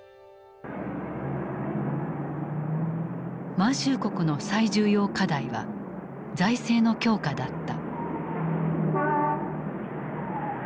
満州国の最重要課題は財政の強化だった。